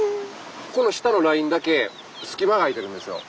下のラインだけ隙間が空いてるんですよ。